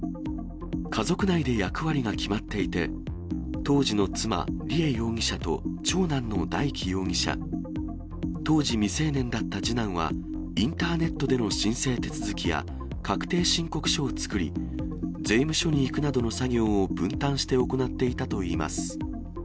家族内で役割が決まっていて、当時の妻、梨恵容疑者と長男の大祈容疑者、当時未成年だった次男は、インターネットでの申請手続きや確定申告書を作り、税務署に行くなどの作業を分担して行っていたといいます。